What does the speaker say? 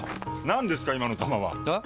何ですか今の球は！え？